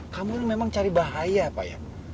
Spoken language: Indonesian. kamu ini memang cari bahaya pak ya